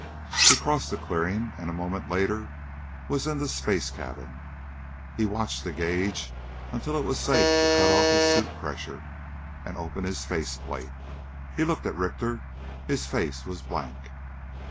He crossed the clearing and a moment later was in the space cabin. He watched the gauge until it was safe to cut off his suit pressure and open his face plate. He looked at Richter; his face was blank.